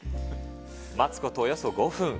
待つことおよそ５分。